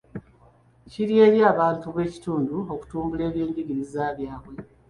Kiri eri abantu b'ekitundu okutumbula ebyenjigiriza byabwe.